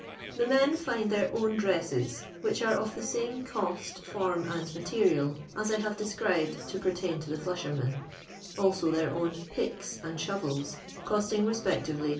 The men find their own dresses, which are of the same cost, form, and material as I have described to pertain to the flushermen ; also their own "picks" and shovels, costing re spectively 2».